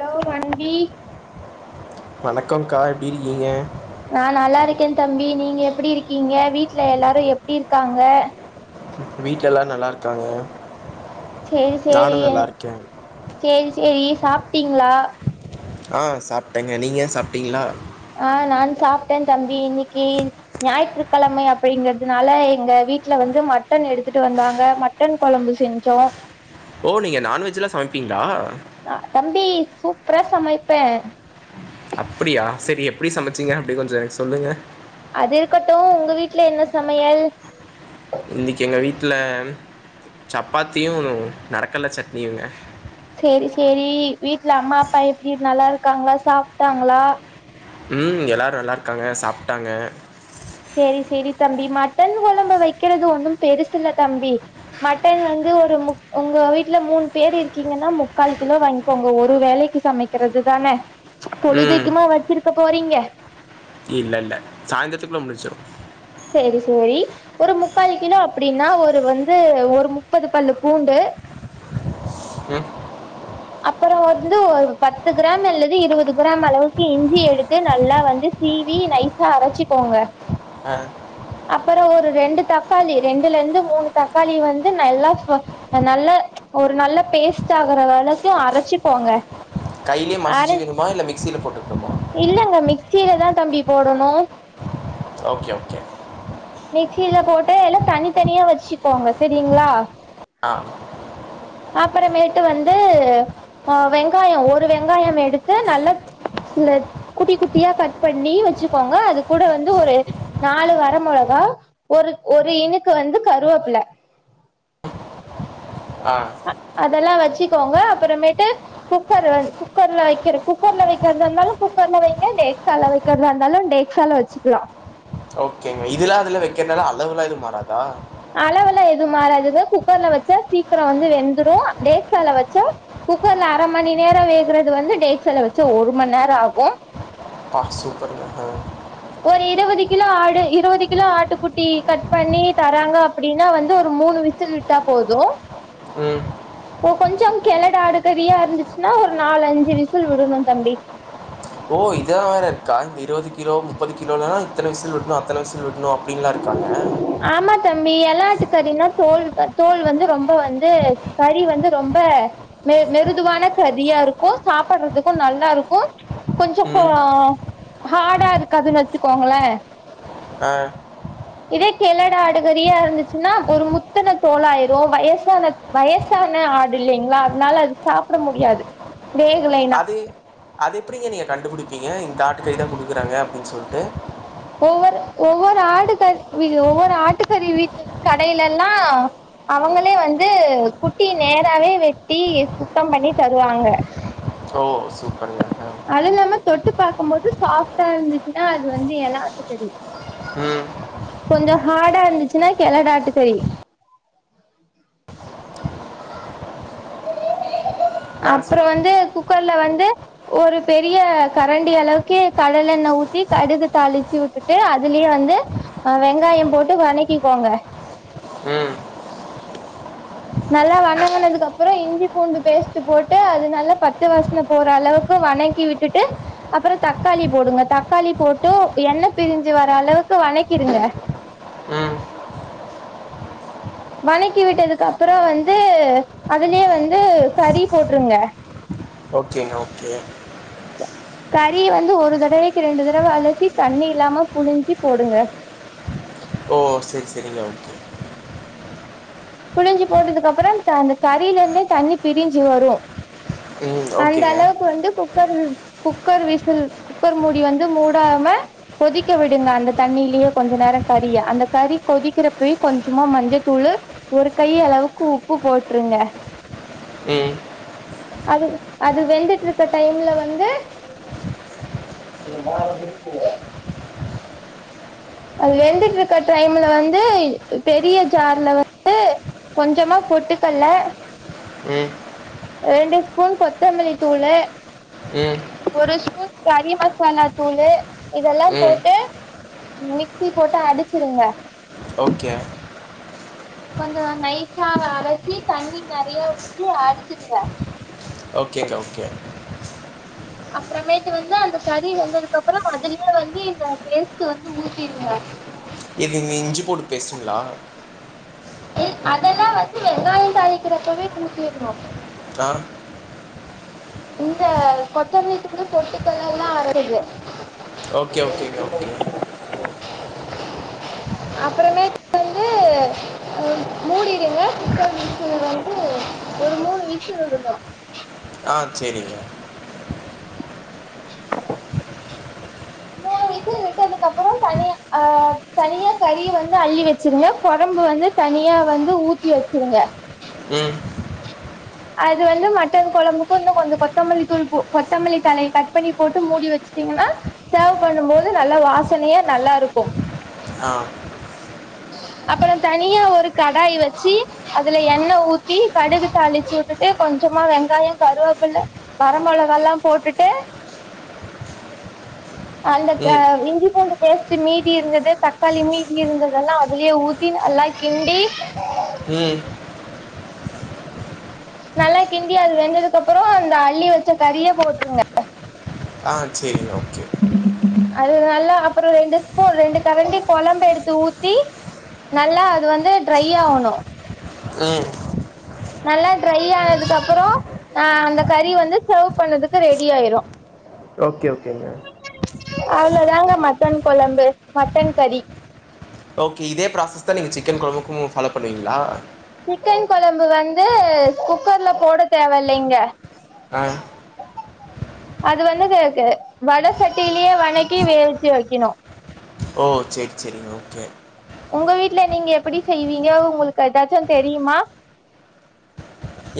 Hello Manvi வணக்கம்கா எப்டி இருக்கீங்க? நா நல்லாருக்கே தம்பி நீங்க எப்பிடி இருக்கீங்க? வீட்ல எல்லாரு எப்டி இருக்காங்க வீட்ல எல்லாரு நல்லாருக்காங்க சேரி சேரி எ சேரி சேரி சாப்டீங்ளா? ஆ சாப்டேங்க நீங்க சாப்டீங்களா? ஆ நான் சாப்டே தம்பி இன்னைக்கி ஞாயிற்றுக்கெணழமை அப்டிங்கிறதுனால எங்க வீட்ல வந்து மட்டன் எடுத்துட்டு வந்தாங்க மட்டன் கொழம்பு செஞ்சோ ஓ நீங்க நான்வெஜ்ஜலா சமப்பீங்ளா? அ தம்பி சூப்பரா சமைப்பே அப்புடியா செரி எப்டி சமச்சீங்க அப்டி கொஞ்ச எனக் சொல்லுங்க அது இருக்கட்டு உங்க வீட்ல என்ன சமையல்? இன்னக்கி எங்க வீட்ல சப்பாத்தியு நடக்கல்ல சட்னியுங்க சேரி சேரி வீட்ல அம்மா அப்பா எப்டி நல்லாருக்காங்ளா? சாப்டாங்ளா? ம் எல்லாரு நல்லாருக்காங்க சாப்டாங்க சேரி சேரி தம்பி மட்டன் கொழம்பு வக்கிறது ஒன்னும் பெருசுல்ல தம்பி மட்டன் வந்து ஒரு முக் உங்க வீட்ல மூணு பேர் இருக்கீங்கன்னா முக்கால் கிலோ வாங்க்கோங்க ஒரு வேலைக்கு சமைக்கிறது தானே பொழுதைக்குமா வச்சிருக்க போறீங் க இல்லெல்ல சாய்ந்திரத்துக்குள்ள முடிசுசுரு சேரி சேரி ஒரு முக்கால் கிலோ அப்டின்னா ஒரு வந்து ஒரு முப்பது பல்லு பூண்டு ம் அப்பற வந்து ஒரு பத்து கிராம் அல்லது இருவது கிராம் அளவுக்கு இஞ்சி எடுத்து நல்லா வந்து சீவி நைசா அரச்சிக்கோங்க ஆ அப்பற ஒரு ரெண்டு தக்காளி ரெண்டுலந்து மூணு தக்காளி வந்து நல்லா ப நல்லா ஒரு நல்ல பேஸ்ட்டாகுறத அள க்கு அரச்சுக்கோங்க கைலயே மசிச்சுக்கனுமா இல்ல மிக்ஸில போட்டு இல்லெங்க மிக்சிலதா தம்பி போடனு ஓகே ஓகே மிக்சில போட்டு எல்லா தனித்தனியா வச்சுக்கோங்க செரிங்ளா ஆ அப்புறமேட்டு வந்து ஆ வெங்காய ஒரு வெங்காயம் எடுத்து நல்லா ஸ்ல குட்டி குட்டியா கட் பண்ணி வச்சுக்கோங்க அது கூட வந்து ஒரு நாலு வர மொளகா ஒரு ஒரு இனுக்கு வந்து கருவப்புல ஆ தெல்லா வச்சுக்கோங்க அப்புறமேட்டு குக்கர் வ குக்கர்ல வக்கிற குக்கர்ல வக்கிறதாந்தாலு குக்கர்ல வைங்க டேக்சால வக்கிறதாந்தாலு டேக்சால வச்சுக்கலா ஓகேங்க இதுல அதுல வக்கிறனால அளவுலா எது மாறதா அளவுலா எது மாறாதுங்க குக்கர்ல வச்சா சீக்கிர வந்து வெந்துடு டேக்சால வச்சா குக்கர்ல அர மணி நேர வேகுறது வந்து டேக்சால வச்ச ஒரு மண் நேர ஆகு பா சூப்பருங்க ஆ ஒரு இருவது கிலோ ஆடு இருவது கிலோ ஆட்டுக்குட்டி கட் பண்ணி தராங்க அப்புடின்னா வந்து ஒரு மூணு விசில் விட்டா போது ம் ஓ கொஞ்சம் கெளடாடு கறியா இருந்துச்சுன்னா ஒரு நாலு அஞ்சு விசில் விடனு தம்பி ஓ இதா வேற இருக்கா இந்த இருவது கிலோ முப்பது கிலோலா இத்தன விசில் விட்னு அத்தன விசில் விட் னு அப்டின்லா இருக்காங்க வெல்லாட்டு கறினா தோல் தோல் வந்து ரொம்ப வந்து கறி வந்து ரொம்ப மெ மெருதுவான கறியா இருக்கு சாப்படுறதுக்கு நல்லா இருக்கு கொஞ்சோப்பா ம் ஹாடா இருக்காதுன்னு வெச்சுக்கோங்களே ஆ இதே கெளடு ஆடு கறியா இருந்துச்சுன்னா ஒரு முத்துன தோளாயிரு வயசான வயசான ஆடு இல்லைங்களா அதனால அது சாப்புட முடியாது வேகலைன்னா அது அது எப்டிங்க நீங்க கண்டுபுடிப் ப்பீங்க இந்த ஆட்டுக்கறிதா குடுக்குறாங்க அப்டின் சொல்ட்டு ஒவ்வொரு ஒவ்வொரு ஆடு கறி ஒவ்வொரு ஆட்டு கறி வீட்டு கடையில எல்லா அவங்களே வந்து குட்டிய நேராவே வெட்டி சுத்தம் பண்ணி தருவாங்க ஓ சூப்பருங்க ஆ அதில்லாம தொட்டு தொட்டுப்பாக்கும் போது சாஃப்டா இருந்துச்சுன்னா அது வந்து எல ஆட்டு கறி ம் கொஞ்சோ ஹாடா இருந்துச்சுன்னா கெளடாட்டு கறி மேல அப்புறோ சொல்லுங்க வந்து குக் குக்கர்ல வந்து ஒரு பெரிய கரண்டி அளவுக்கே கடலெண்ண ஊத்தி கடுகு தாளுச்சு விட்டுட்டு அதுலயே வந்து அ வெங்காயம் போட்டு வணக்கிக்கோங்க ம் நல்லா வணங்குனதுக்கு அப்புறோ இஞ்சி பூண்டு பேஸ்ட்டு போட்டு அது நல்லா பச்ச வாசன போற அளவுக்கு வணக்கி விட்டுட்டு அப்புறோ தக்காளி போடுங்க தக்காளி போட்டு எண்ண பிரிஞ்சு வர அளவுக்கு வணக்கிருங்க ம் வணக்கி விட்டதுக்கு அப்புறோ வந்து அதுலயே வந்து கறி போட்டுருங்க ஓகேங்க ஓகே கறி வந்து ஒரு தடவைக்கு ரெண்டு தடவ அழசி தண்ணி இல்லாம புழுஞ்சு போடுங்க ஓ சேரி சேரிங்க ஓ புழுஞ்சு போட்டதுக்கு அப்புறம் அந்த கறில இருந்தே தண்ணி பிரிஞ்சு வரு ம் அந்த ஓகேங்க அளவுக்கு வந்து குக்கர் குக்கர் விசில் குக்கர் மூடி வந்து மூடாம கொதிக்க விடுங்க அந்த தண்ணிலியே கொஞ்ச நேரோங் கறிய அந்த கறி கொதிக்கிறப்பய் கொஞ்சமா மஞ்சத்தூளு ஒரு கை அளவுக்கு உப்பு போட்டுருங்க ம் அது அது வெந்துட்டுருக்க டைம்ல வந்து அது வெந்துட்டு இருக்க டைம்ல வந்து பெரிய ஜார்ல வந்து கொஞ்சமா பொட்டுக்கல்ல ம் ரெண்டு ஸ்பூன் கொத்தமல்லி தூளு ம் ஒரு ஸ்பூன் கறி மசாலா தூளு இதெல்லாம் ம் போட்டு மிக்சி போட்டு அடுச்சுருங்க ஓகே கொஞ்சோ நைசா அரைச்சி தண்ணி நறையா வுச்சு அரச்சுருந்த ஓகேங்கா ஓகே அப்புறமேட்டு வந்து அந்த கறி வெந்ததுக்குப்புறம் அதுலயே வந்து இந்த பேஸ்ட்டு வந்து ஊத்திருங்க எது இந்த இஞ்சி பூண்டு பேஸ்ட்டுங்களா இல் அதெல்லா வந்து வெங்காயம் தாளிக்கிறப்பவே கூட்டிர்னு த்தா இந்த கொத்தமல்லி தூளு பொட்டுக்கல்ல எல்லா அரைது ஓகே ஓகேங்க ஓகே அப்புறமே வந்து மூடிடுங்க சிக்கம் விசுல் வந்து ஒரு மூணு விசுல் உடுங்க ஆ சேரிங்க [inaudible] னு விசில் விட்டதுக்குப்புறம் தனியா ஆ தனியா கறிய வந்து அள்ளி வெச்சுருங்க கொழம்பு வந்து தனியா வந்து ஊத்தி வெச்சுருங்க ம் அது வந்து மட்டன் கொழம்புக்கு இன்னு கொஞ்சோ கொத்தமல்லி தூள்க்கு கொத்தமல்லி தலைய கட் பண்ணி போட்டு மூடி வெச்சுட்டீங்கன்னா சோவ் பண்ணும் போது நல்லா வாசனையா நல்லா இருக்கும் ஆ அப்றோ தனியா ஒரு கடாய் வச்சு அதுல எண்ணெய ஊத்தி கடுகு தாளிச்சு விட்டுட்டு கொஞ்சமா வெங்காயம் கருவேப்பில்ல வர மொளாக எல்லா போட்டுட்டு அந்த அ ம் இஞ்சி பூண்டு பேஸ்ட் மீதி இருந்தது தக்காளி மீதி இருந்ததுல்லா அதுலயே ஊத்தி நல்லா கிண்டி ம் நல்லா கிண்டி அது வெந்ததுக்கு அப்றோ அந்த அள்ளி வச்ச கறிய போட்ருங்க ஆ செரிங்கோ கே அது நல்லா அப்றோ ரெண்டு ஸ்பூன் ரெண்டு கரண்டி குழம்பு எடுத்து ஊத்தி நல்லா அது வந்து ட்ரை ஆகணும் ம் நல்லா ட்ரை ஆனதுக்கு அப்றோ அ அந்த கறி வந்து சேர்வ் பண்ணதுக்கு ரெடி ஆயிரும் ஓகே ஓகேங்க அவ்ளோதாங்க மட்டன் குழம்பு மட்டன் கறி ஓகே இதே ப்ராசஸ் தா நீங்க சிக்கன் குழம்புக்கும் ஃபாலோ பண்ணுவீங்களா சிக்கன் கொழம்பு வந்து குக்கர்ல போட தேவ இல்லங்க ஆ அது வந்து க்கு வட சட்டிலயே வணக்கி வேக வைக்கணும் ஓ செரி செரிங்க ஓகே உங்க வீட்ல நீங்க எப்டி செய்வீங்கோ உங்களுக்கு ஏதாச்சும் தெரியுமா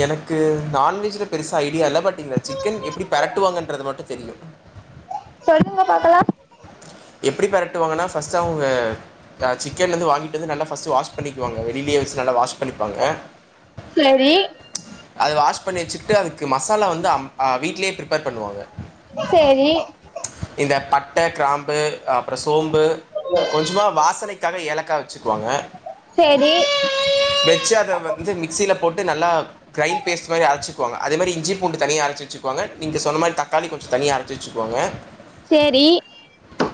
எனக்கு நான்வெஜ்ல பெருசா ஐடியா இல்ல பட் ங்க சிக்கன் எப்டி பிரட்டுவாங்கன்றது மட்டும் தெரியும் சொல்லுங்க பாக்கலா எப்டி பெரட்டுவாங்கன்னா ஃபஸ்ட் அவுங்க சிக்கன் வந்து வாங்கிட்டு வந்து நல்லா வாஷ் பண்ணிக்குவாங்க வெளிலயே வச்சு நல்லா வாஷ் பண்ணிப்பாங்க செரி அது வாஷ் பண்ணி வச்சுட்டு அதுக்கு மசாலா வந்து அம் வீட்லயே பிரிபர் பண்ணுவாங்க செரி இந்த பட்டை கிராம்பு அப்ரோ சோம்பு கொஞ்சமா வாசனைக்காக ஏலக்கா வச்சுக்குவாங்க ரி வெச்சு அத வந்து மிக்சியில போட்டு நல்லா கிரைண்ட் பேஸ்ட் மாரி அரைச்சுக்குவாங்க அதே மாரி இஞ்சி பூண்டு தனிய அரைச்சி வச்சுக்குவங்க நீங்க சொன்ன மாரி தக்காளி கொஞ்சம் தனிய அரைச்சி வச்சுக்கு வாங்க சேரி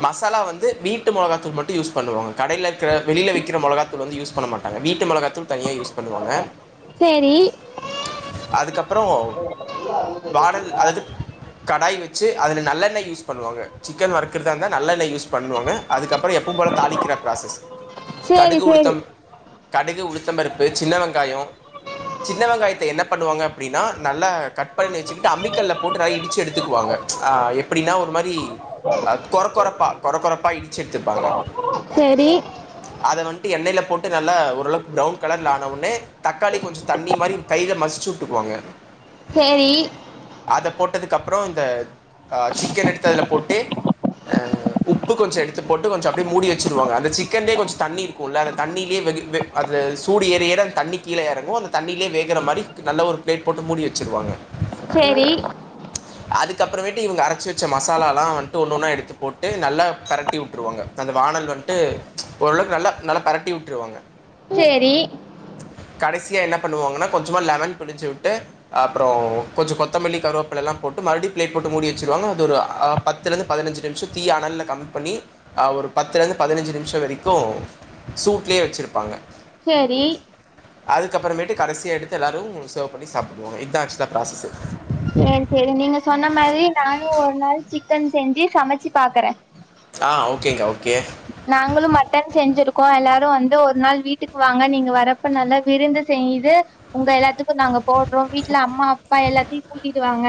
மசாலா வந்து வீட்டு மொளகாத்தூள் மட்டும் யூஸ் பண்ணுவாங்க கடைல ர வெளியில விக்கிற மொளகாதூள் வந்து யூஸ் பண்ண மாட் பல வி ட்டு மொளகாதூள் தனியா யூஸ் பண்ணுவாங்க சேரி அதுக்கப்றோ வாடகு அது கடாய் வச்சு அதுல நல்ல யூஸ் பண்ணுவாங்க சிக்கன் வருக்கறத இருந்தா நல்லெண்ணெய் யூஸ் பண்ணுவாங்க அதுக்கப்றோ அப்றோ எப்போவும் போல தாளிக்கிற ப்ராசஸ் சேரி கடுகு சேரி உளுத்தம் கடுகு உளுத்தம் பருப்பு சின்ன வெங்காயோ சின்ன வெங்காயத்த என்ன பண்ணுவாங்க அப்பிடின்னா நல்லா கட் பண்ணி வெச்சிக்கிட்டு அம்மி கல்லுல போட்டு நல்லா இடிச்சு எடுத்துக்குவாங்க. ஆ எப்பிடினா ஒரு மாரி ஆ கொரகொரப்பா கொரகொரப்பா இடிச்சு எடுத்துப்பாங்க. சேரி அத வந்ட்டு எண்ணைல போட்டு நல்லா ஓரளவுக்கு பிரவுன் கலர்ல ஆன உட்னே தக்காளி கொஞ்சோ தண்ணி மாரி கைல மசி ச்சு விட்டுக்குவாங்க சேரி அத போட்டதுக்கப்புறோ இந்த ஆ சிக்கன் எடுத்து அதுல போட் டு ஆ உப்பு கொஞ்ச எடுத்து போட்டு கொஞ்ச அப்டியே மூடி வெச்சுருவாங்க. அந்த சிக்கன்லயே கொஞ்ச தண்ணி இருக்குல்ல அந்த தண்ணிலயே வெது வெ அது சூடு ஏற ஏற அந்த தண்ணி கீழ எறங்கு அந்த தண்ணிலயே வேகற மாரி க்கு நல்ல ஒரு பிளேட் போட்டு மூடி வெச்சுருவாங்க சேரி அதுக்கப்புறமேட்டு இவங்க அரைச்சு வச்ச மசாலா எல்லா வந்ட்டு ஒண்ணு ஒண்ணா எடுத்து போட்டு நல்லா பெரட்டி விட்ருவாங்க அந்த வாணல் வந்ட்டு ஓரளவுக்கு நல்லா நல்லா பெரட்டி விட்ருவாங்க சேரி கடைசியா என்ன பண்ணுவாங்கன்னா கொஞ்சமா லெமன் புழிஞ்சு விட்டு அப்றோ கொஞ்சோ கொத்தமல்லி கருவேப்பிலெல்லா போட்டு மறுபடி பிளேட் போட்டு மூடி வெச்சிருவாங்க அது ஒரு ஆ பத்துலிர்ந்து பதனஞ்சு நிமிஷோ தீய அனல்ல கம்மி பண்ணி ஆ ஒரு பத்துலேர்ந்து பதனஞ்சு நிமிஷோ வரைக்கு சூட்லயே வெச்சிருப்பாங்க செரி க்கப்பறமேட்டு கடைசியா எடுத்து எல்லாரு சர்வ் பண்ணி சாப்ட்டுக்குவாங்க இதா ஆக்சுவலா ப்ராசஸு சேரி சேரி நீங்க சொன்ன மாரி நானு ஒரு நாள் சிக்கன் செஞ்சு சமைச்சு பாக்கறே ஆ ஓகேங்க்கா ஓகே நாங்களு மட்டன் செஞ்சிருக்கோ எல்லாரு வந்து ஒரு நாள் வீட்டுக்கு வாங்க நீங்க வரப்ப நல்லா விருந்து செய்து உங்க எல்லாத்துக்கு நாங்க போடுறோ வீட்ல அம்மா அப்பா எல்லாத்தையு கூட்டிட்டு வாங்க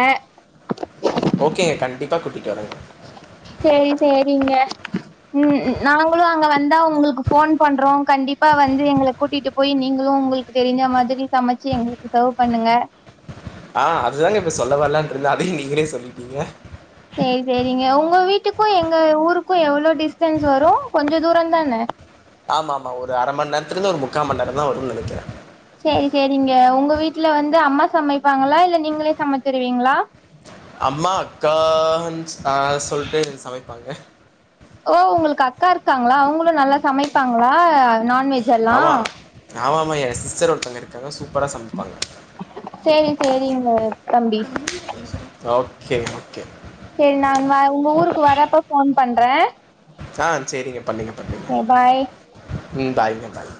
ஓகேங்க கண்டிப்பா கூட்டி சேரி சேரிங்க ம் ம் நாங்களு அங்க வந்தா உங்களுக்கு ஃபோன் பண்றோ கண்டிப்பா வந்து எங்கள கூட்டிட்டு போயி நீங்களு உங்களுக்கு தெரிஞ்ச மாதிரி சமைச்சு எங்களுக்கு சர்வ் பண்ணுங்க. ஆ அதுதாங்க இப்ப சொல்ல வரலான்னு இருந்த அதையு நீங்களே சொல்லிட்டீங்க சேரி சேரிங்க உங்க வீட்டுக்கு எங்க ஊருக்கு எவ்ளோ டிஸ்டன்ஸ் வரு கொஞ்ச தூரந்தான ஆமா ஆமா ஒரு அர மணி நேரத்துல இருந்து ஒரு முக்கா மணி நேரந்தா வருன்னு நெனைக்கிறே சேரி சேருங்க உங்க வீட்ல வந்து அம்மா சமைப்பாங்களா இல்ல நீங்களே சமைச்சிருவீங்களா அம்மா அக்கா எந்ச் ஆ சொல்ட்டு சமைப்பாங்க ஓ உங்களுக்கு அக்கா இருக்காங்களா அவங்களு நல்லா சமைப்பாங்களா நான்வெஜ் எல்லா ஆமா ஆமா என் சிஸ்டர் ஒருத்தங்க இருக்காங்க சூப்பரா சமை சேரி சேரிங்க தம்பி ஓகே ஓகே சேரி நான் வ உங்க ஊருக்கு வரப்ப ஃபோன் பண்றே ஆ சேரிங்க பண்ணுங்க பண்ணுங்க ஓகே பாய் ம் பாய்ங்க பாய்